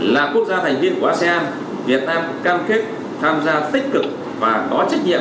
là quốc gia thành viên của asean việt nam cam kết tham gia tích cực và có trách nhiệm